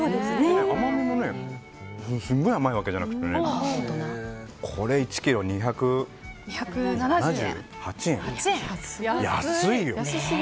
甘みもすごい甘いわけじゃなくてこれ１ｋｇ、２７８円安いよ。